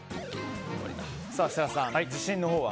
設楽さん、自信のほうは？